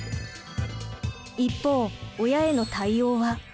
一方親への対応は。